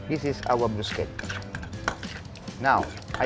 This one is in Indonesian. ini adalah bruschetta kami